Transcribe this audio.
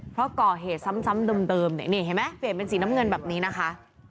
เพราะก่อเหตุซ้ำเดิมเนี่ยนี่เห็นไหมเปลี่ยนเป็นสีน้ำเงินแบบนี้นะคะ